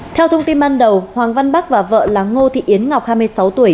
theo thông tin ban đầu hoàng văn bắc và vợ là ngô thị yến ngọc hai mươi sáu tuổi